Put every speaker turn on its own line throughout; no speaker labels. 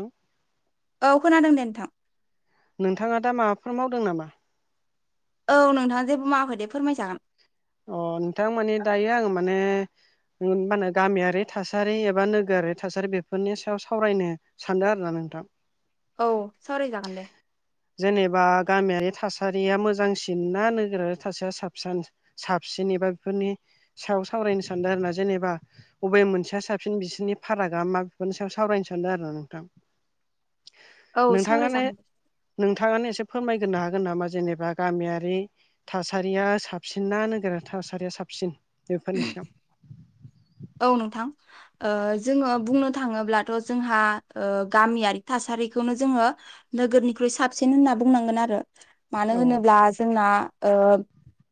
हो
औ खोनादों दे नोंथां
नोंथाङा दा माबाफोर मावदों नामा?
औ नोंथाङा जेबो मावखैदे फोरमायसागोन
अ नोंथां माने दायो आङो माने मा होनो गामियारि थासारि एबा नोगोरारि थासारि बेफोरनि सायाव सावरायनो सानदों आरोना नोंथां
औ सावराय जागोन दे
जेनेबा गामियारि थासारिया मोजांसिन ना नोगोरारि थासारिया साबसिन साबसिन एबा बेफोरनि सायाव सावरायनो सानदों आरोना जेनेबा अबे मोनसेया साबसिन बिसोरनि फारागा मा बेफोरनि सायाव सावरायनो सानदों आरो ना नोंथां
औ
नोंथांङानो
सावरायजागोन
नोंथाङानो एसे फोरमायग्रोनो हागोन नामा जेनेबा गामियारि थासारिया साबसिन ना नोगोरा थासारिया साबसिन बेफोरनि सायाव
औ नोंथां ओ जोंङो बुंनो थाङोब्ला थ' जोंहा ओ गामियारि थासारिखौनो जोंङो नोगोरनिख्रुइ साबसिन होनना बुंनांगोन आरो मानो
औ।
होनोब्ला जोंना ओ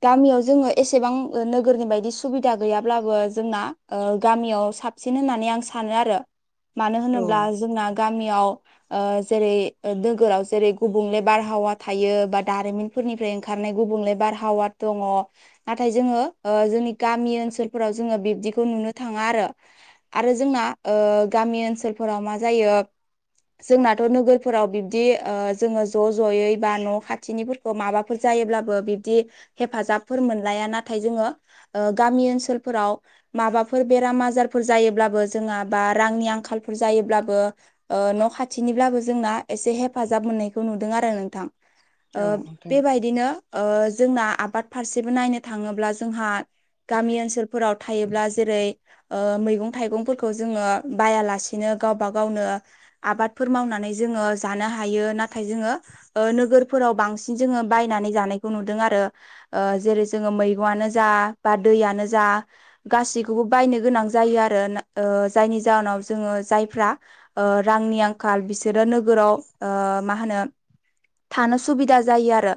गामियाव जोंङो एसेबां नोगोरनि बायदि सुबिदा गैयाब्लाबो जोंना ओ गामियाव साबसिन होननानै आं सानो आरो मानो
औ
होनोब्ला जोंना गामियाव ओ जेरै नोगोराव जेरै गुबुंले बारहावा थायो बा दारिमिन फोरनिफ्राय ओंखारनाय गुबुंले बारहावा दङ। नाथाय जोंङो ओ जोंनि गामि ओनसोलफोराव जोंङो बिब्दि खौ नुनो थाङा आरो आरो जोंना ओ गामि ओनसोलफोराव मा जायो जोंनाथ' नोगोरफोराव बिब्दि ओ जोंङो ज' ज'यै बा न' खाथिनि माबाफोर जायोब्लाबो बिबदि हेफाजाबफोर मोनलाया नाथाय जोंङो ओ गामि ओनसोलफोराव माबाफोर बेराम आजारफोर जायोब्लाबो जोंहा बा रांनि आंखालफोर जायोब्लाबो ओ न' खाथिनिब्लाबो जोंना एसे हेफाजाब मोननायखौ नुदों आरो नोंथां। ओ
औ नोंथां
बेबायदिनो ओ जोंना आबाद फारसेबो नायनो थाङोब्ला जोंहा गामि ओनसोलफोराव थायोब्ला जेरै ओ मैगं थाइगंफोरखौ जोंङो बायालासेनो गावबा गावनो आबादफोर मावनानै जोंङो जानो हायो नाथाय जोंङो ओ नोगोरफोराव बांसिन जोंङो बायनानै जानायखौ नुदों आरो ओ जेरै जोंङो मैगंआनो जा बा दैयानो जा गासैखौबो बायनो गोनां जायो आरो ओ जायनि जाहोनाव जोंङो जायफ्रा ओ रांनि आंखाल बिसोरो नोगोराव ओ मा होनो थानो सुबिदा जायो आरो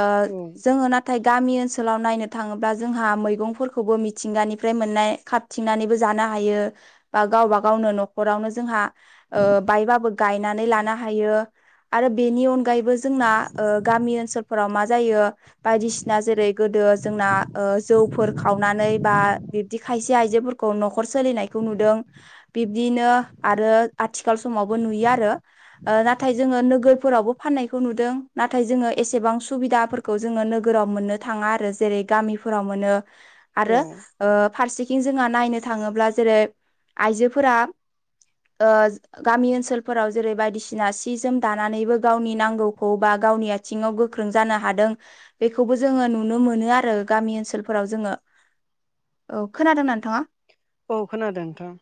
ओ
औ
जोंङो नाथाय गामि ओनसोलाव नायनो थाङोब्ला जोंहा मैगंफोरखौबो मिथिंगानि फ्राय मोननाय खाबथिंनानैबो जानो हायो बा गावबा गावनो न'खरावनो जोंहा ओ बायबाबो गायनानै लानो हायो। आरो बेनि अनगायैबो जोंना ओ गामि ओनसोलफोराव मा जायो बायदिसिना जेरै गोदो जोंना ओ जौफोर खावनानै बा बिब्दि खायसे आइजोफोरखौ न'खर सोलिनायखौ नुदों। बिब्दिनो आरो आथिखाल समावबो नुयो आरो ओ नाथाय जोंङो नोगोरफोरावबो फाननायखौ नुदों नाथाय जोंङो एसेबां सुबिदाफोर खौ जोङो नोगोराव मोननो थाङा आरो जेरै गामिफोराव मोनो
औ
आरो ओ फारसेथिं जोंहा नायनो थाङोब्ला जेरै आइजोफोरा ओ गामि ओनसोलफोराव जेरै बायदिसिना सि जोम दानानैबो गावनि नांगौखौ बा गावनि थिङाव गोख्रों जानो हादों बेखौबो जोंङो नुनो मोनो आरो गामि ओनसोलफोराव जोंङो औ खोनादोंना नोंथाङा?
औ खोनादों नोंथां।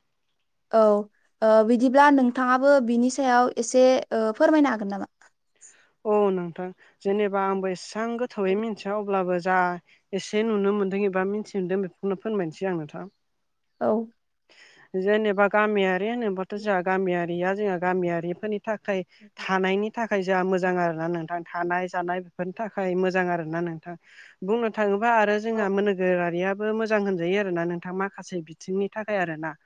औ ओ बिदिब्ला नोंथाङाबो बिनि सायाव एसे ओ फोरमायनो हागोन नामा?
औ नोंथां जेनेबा आंबो इसां गोथौयै मिथिया अब्लाबो जा एसे नुनो मोन्दों एबा मिथि मोनदों बेखौनो फोरोनमायनोसै आं नोंथा।
औ
जेनेबा गामियारि होनोबथ' जोंहा गामियारिया जोंहा
औ
गामियारिफोरनि थाखाय थानायनि थाखाय जोंहा मोजां आरो ना नोंथां थानाय जानाय बेफोरनि थाखाय मोजां आर ना नोंथां बुंनो थाङोबा आरो
औ
जोंहा मोन नोगोरारियाबो मोजां होनजायो आरोना नोंथां माखासे बिथिंनि थाखाय आरो ना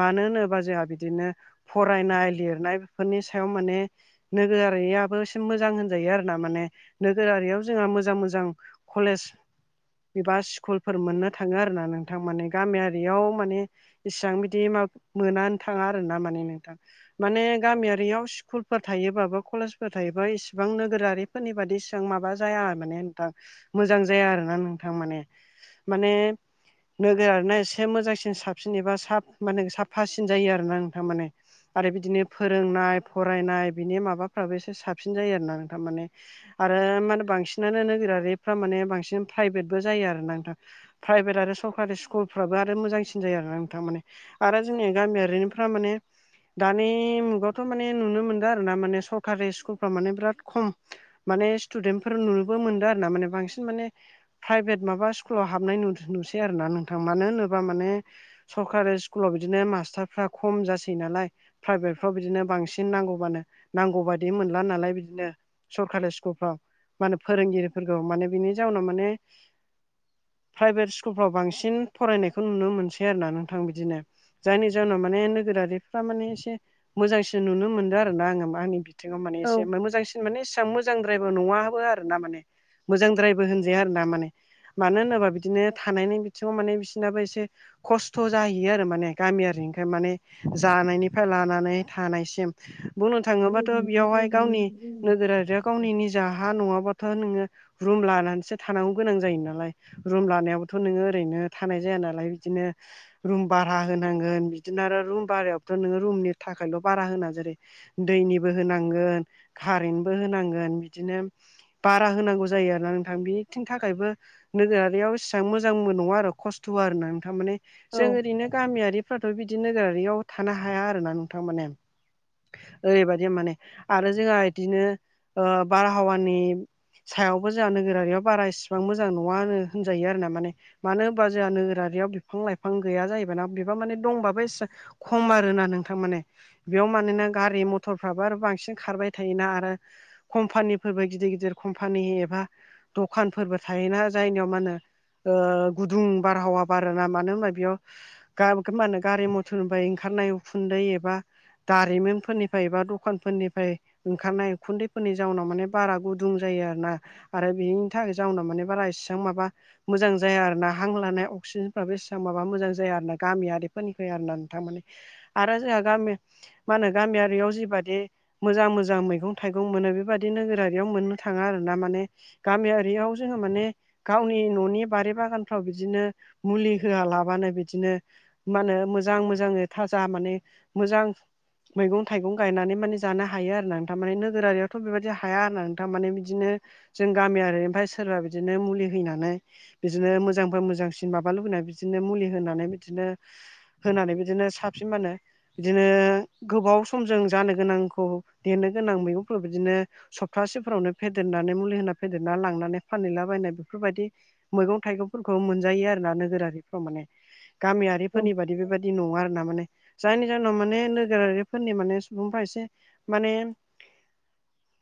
मानो होनोबा जोंहा बिदिनो फरायनाय लिरनाय बेफोरनि सायाव माने नोगोरारियाबो एसे मोजां होनजायो आरो ना। माने नोगोरारियाव जोंहा मोजां मोजां कलेज एबा सिकुलफोर मोननो थाङो आरोना नोंथां। माने गामियारियाव माने एसां बिदि माब मोनान थाङा आरो ना माने नोंथां। माने गामियारियाव कुलफोर थायोबाबो कलेजफोर थायोबा इसिबां नोगोरारिफोरनि बादि इसां माबा जाया माने नोंथां। मोजां जाया आरोना नोंथां माने। माने नोगोरारि ना एसे मोजांसिन साब सिन एबा साब माने साफासिन जायो आरोना नोंथां माने आरो बिदिनो फोरोंनाय फरायनाय बिनि माबाफ्राबो एसे साबसिन जायो आरोना नोंथां माने। आरो मानो बांसिनानो नोगोरारिफ्रा माने बांसिन प्राइभेटबो जायो आरो ना नोंथां। प्राइभेट आरो सरकारि सिकुलफ्राबो आरो मोजांसि सिन जायो आरो ना नोंथां माने। आरो जोंनि गामियारिनिफ्रा माने दानि मुगायावथ' माने नुनो मोनदों आरो ना माने सरकारि सिकुलफ्रा माने बिराद खम। माने सिथुदेन्टफोर नुनोबो मोनदों आरो ना माने बांसिन माने फायभेट माबा सिकुलाव हाबनाय नु-नुसै आरो ना नोंथां। मानो होनोबा माने सरकारि सिकुलाव बिदिनो मास्टारफ्रा खम जासै नालाय प्राइभेटफ्राव बिदिनो बांसिन नांगौबानो नांगौ बादि मोनला नालाय बिदिनो सरकारि सिकुलफ्राव मानो फोरोंगिरिफोरखौ माने बिनि जाउनाव माने प्राइभेट सिकुलफोराव बांसिन फरायनायखौ नुनो मोनसै आरो ना नोंथां बिदिनो जायनि जाहोनाव माने नोगोरारिफा माने एसे मोजांसिन नुनो मोनदों आरो ना आङो माहोनो बि दिगौ माने एसे मो-मोजांसिन माने एसां मोजांद्रायबो नङाबो आरो ना माने। मोजांद्रायबो होनजाया आरो ना माने। मानो होनोबा बिदिनो थानायनि बिथिङाव माने बिसिनाबो एसे खस्थ' जाहैयो आरो माने गामियारिनिखाय माने जानायनिफ्राय लानानै थानायसिम बुंनो थाङोबाथ' बेयावहाय गावनि नोगोरारिया गावनि निजा हा नङाबाथ' नोङो रुम लानानैसो थानांगौ गोनां जायो नालाय। रुम लानायावबोथ' नोङो ओरैनो थानाय जाया नालाय इदिनो रुम भारा होनांगोन बिदिनो आरो रुम भारायावबोथ' नोङो रुमनि थाखायल' बारा होना जेरै दैनिबो होनांगोन कारेन्टबो होनांगोन बिदिनो बारा होनांगौ जायो आरोना नोंथां। बिनिथिं थाखायबो नोगोरारियाव एसां मोजांमो नङा आरो खस्थ' आरो आरो ना नोंथां। माने जों ओरैनो गामियारिफोर थ' बिदि नोगोरारियाव थानो हाया आरो ना नोंथां। माने ओरैबायदि माने आरो जोंहा इदिनो ओ बारहावानि सायावबो जोहा नोगोरारियाव बारा इसिबां मोजां नङा होनो होनजायो आरो ना। माने मानो होबा जोहा नोगोरारियाव फां लाइफां गैया जाहैबायना बिबा माने दंबाबो एसा खम आरोना नोंथां माने। बेयाव मानोना गारि मथरफ्राबो आरो बांसिन खारबाय थायोना आरो। कम्पानिफोरबो गिदिर गिदिर कम्पानि एबा दखानफोरबो थायोना जायनियाव मा होनो ओ गुदुं बारहावा बा फोरा ना मानो होनबा बेयाव गा [unintelligible] मो होनो गारि मथर होनाय ओंखारनाय उखुन्दै एबा दारिमिनफोरनिफाय बा दखानफोरनिफाय ओंखारनाय उखुन्दैफोरनि जाउनाव माने बारा गुदुं जायो आरो ना। आरो बेनि थाखाय जाउनाव माने बारा इसां माबा मोजां जाया आरो ना। हां लानाय अक्सिज फ्राबो एसां माबा मोजां जाया आरो ना। गामियारिफोरनिफ्राय आरो ना नोंथां माने आरो जोंहा गामि मा होनो गामियारियाव जिबादि मोजां मोजां मैगं थाइगं मोनो बेबादि नोगोरारियाव मोननो थाङा आरो ना माने गामियारियाव जोङो माने गावनि न'नि बारि बागानफ्राव बिदिनो मुलि होआ लाबानो बिदिनो मा होनो मोजां मोजाङो थाजा माने मोजां मैगं थाइगं गायनानै माने जानो हायो आरो ना नोंथां। माने नोगोरारियावथ' बेबायदि हाया आरो ना नोंथां माने बिदिनो जों गामियारि ओमफ्राय सोरबा बिदिनो मुलि हैनानै बिदिनो मोजांफ्राय मोजांसिन बि माबा लुबैनाय बिदिनो मुलि होनानै बिदिनो होनानै बिदिनो साबसिन मानो बिदिनो गोबाव सम जों जानो गोनांखौ देरनो गोनां मैगंफोर बिदिनो सप्तासेफोरावनो फेदेरनानै मुलि होना फेदेरना लांनानै फानहैलाबायनाय बेफोरबायदि मैगं थाइगंफोरखौ मोनजायो आरो ना नोगोरारिफ्राव माने गामियारिफोरनि बादि बेबायदि बिदि नङा आरो ना माने जायनि जाहोनाव माने नोगोरारिफोरनि माने सुबुंफ्रा एसे माने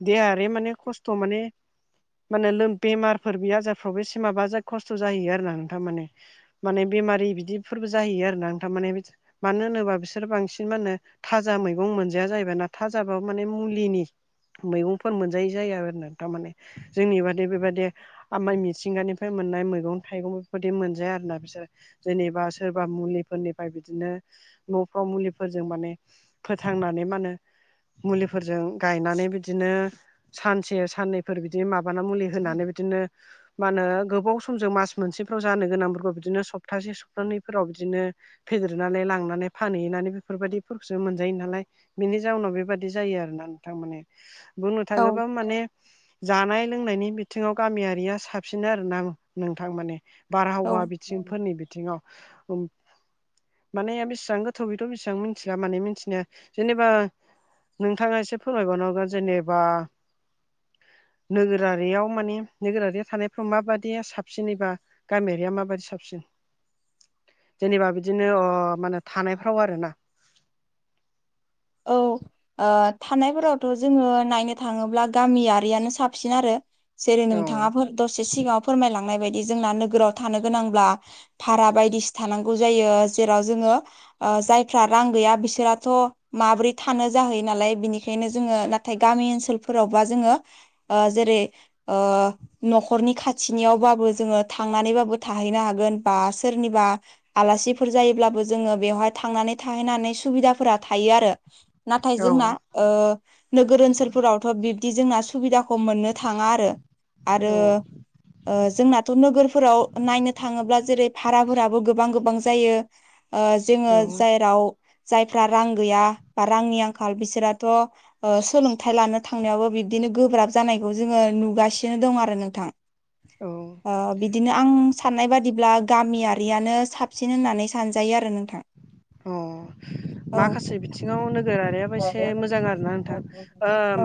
देहारि माने खस्थ' माने माने लोम बेमारफोर बे आजारफ्रावबो सिमाबा जा खस्थ' जाहैयो आरो ना नोंथां माने माने बेमारि बिदिफोरबो जाहैयो आरोना थारमाने मानो होनोबा बिसोरो बांसिन मा होनो थाजा मैगं मोनजाया जाहैबाय ना थाजाबाबो माने मुलिनि मैगंफोर मोनजायै जाया आरोना थारमाने जोंनि बादि बेबाददि आमाइ मिथिंगानिफ्राय मोननाय मैगं थाइगं बेफोरबायदि मोन - जाया आरोना बिसोर जेनेबा सोरबा मुलिफोरनिफ्राय बिदिनो न'फ्राव मुलिफोरजों माने फोथांनानै मा होनो मुलिफोरजों गायनानै बिदिनो सानसे साननैफोर बिदिनो माबाना मुलि होनानै बिदिनो मा होनो गोबाव समजों मास मोनसेफ्राव जानो गोनांफोरखौ बिदिनो सप्तासे सप्थानैफोराव बिदिनो फेदेरनानै लांनानै फानहैनानै बेफोरबायदिफोरखौसो मोनजायो नालाय बिनि जाउनाव बेबादि जायो आरोना नोंथां माने बुंनो
औ
थाङोबा माने जानाय लोंनायनि बिथिङाव गामियारिया साबसिन आरो ना नोंथां माने
औ
बारहावा आथिंफोरनि बिथिङाव माने बेसेबां गोथौ बेथ' बेसेबां मिथिला माने मिथिनाया जेनेबा नोंथाङा एसे फोरमायबावनांगोन जेनेबा नोगोरारियाव माने नोगोरारियाव थानायफ्राव माबायदि साबसिनबा गामियारिया मााबदि साबसिन जेनेबा बिदिनो अ माने थानायफ्राव आरोना
औ। ओथानायफोरावथ' जोङो नायनो थाङोब्ला गामियारियानो साबसिन आरो। जेरै
औ
नोंथाङा दसे सिगाङाव फोरमायलांनाय बायदि जोंना नोगोराव थानो गोनांब्ला भारा बायदिसि थानांगौ जायो जेराव जोङो जायफ्रा रां गैया बिसोराथ' माबोरै थानो जाहैयो नालाय बिनिखायनो जोङो नाथाय गामि ओनसोलफोरावबा जोङो ओ जेरै ओ न'खरनि खाथिनियावबाबो जोङो थांनानैबाबो थाहैनो हागोन बा सोरनिबा आलासिफोर जायोब्लाबो जोङो बेवहाय थांनानै थाहैनानै सुबिदाफोरा था थायो आरो नाथाय
औ
जोंना ओ नोगोर ओनसोलफोरावथ' बिब्दि जोंना सुबिदाखौ मोननो थाङा आरो आरो
औ
ओ जोंनाथ' नोगोरफोराव नायनो थाङोब्ला जेरै भाराफोराबो गोबां गोबां जायो ओ जोङो
औ
जेराव जायफ्राम रां गैया बा रांनि आंखाल बिसोराथ' ओ सोलोंथाइ लानो थांनायावबो बिब्दिनो गोब्राब जानायखौ जोङो नुगासिनो दं आरो नोंथां
औ
ओ बिदिनो आं साननाय बादिब्ला गामियारियानो साबसिन होननानै सानजायो आरो नोंथां।
अ
औ
माखासे बिथिङाव नोगोरारियाबो एसे मोजां आरो ना नोंथां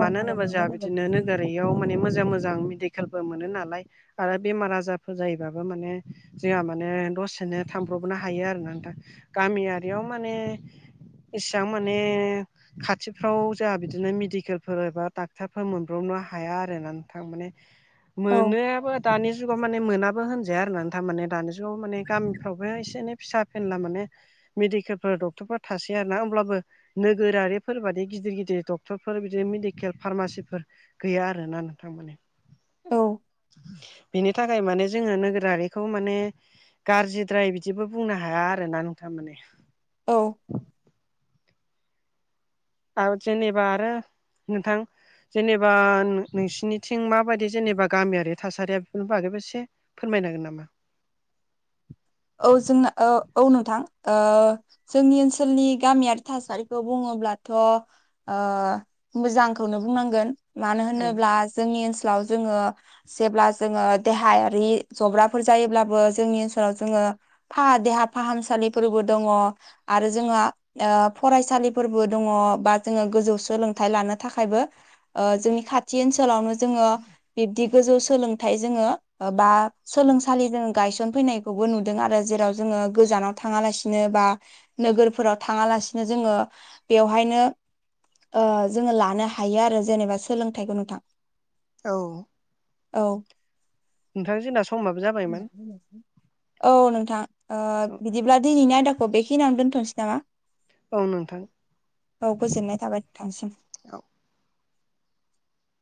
मानो होनोबा जोंहा बिदिनो नोगोरारि बेयाव माने मोजां मोजां मेडिकेलबो मोनो नालाय आरो बेमार आजारफोर जायोबाबो माने जोंहा माने दसेनो थांब्रबनो हायो आरो नोंथां गामियारियाव माने इसां माने खाथिफ्राव जोंहा बिदिनो मेडिकेलफोर एबा डाक्टरफोर मोनब्रबनो हाया आरोना नोंथां। माने
औ
मोनोबो दानि जुगाव माने मोनाबो होनजाया आरोना नोंथां दानि जुगाव माने गामिफ्रावबो एसे एनै फिसा फेनला मोनो। मेडिकेलफोर डक्टरफोर थासै आरोना अब्लाबो। नोगोरारिफोरबादि गिदिर गिदिर डक्टरफोर बिदिनो मेडिकेल फार्मासिफोर गैया आरोना नोंथां माने।
औ
बेनि थाखाय माने जोङो नोगोरारिखौ माने गाज्रिदाय बिदिबो बुंनो हाया आरोना नोंथां माने।
औ
आरो जेनेबा आरो नोंथां जेनेबा नोंसोरनिथिं माबायदि जेनेबा गामियारि थासारिया बेफोरनि बागैबो एसे फोरमायनो हागोन नामा?
औ जोंना औ नोंथां जोंनि ओनसोलनि गामियारि थासारिखौ बुङोब्लाथ'‌ मोजांखौनो बुंनांगोन मानो
औ
होनोब्ला जोंनि ओनसोलाव जोङो जेब्ला जोङो देहायारि जब्राफोर जायोब्लाबो जोंनि ओनसोलाव जोङो फा देहा फाहामसालिफोरबो दङ आरो जोङो फरायसालिफोरबो दङ बा जोङो गोजौ सोलोंथाइ लानो थाखायबो जोंनि खाथि ओनसोलावनो जोङो बिब्दि गोजौ सोलोंथाइ जोङो बा सोलोंसालि जों गायसनफैनाय खौबो नुदों आरो जेराव जोङो गोजानाव थाङालासिनो बा नोगोरफोराव थाङालासिनो जोङो बेवहायनो ओ जोङो लानो हायो आरो जेनेबा सोलोंथाइखौ नोंथां।
औ
औ
नोंथां जोंना स
[unintelligible] औ नोंथां ओ बिदिब्ला दिनैनि आयदाखौ बेखिनियावनो दोनथ'नोसै नामा?
औ नोंथां।
औ गोजोननाय थाबाय नोंथांनिसिम।
औ